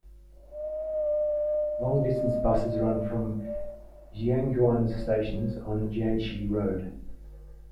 Long-distance busses run from Xiaguan's stations on Jianshe Road.